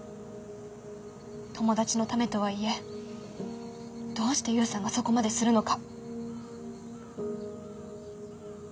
友達のためとはいえどうして勇さんがそこまでするのか。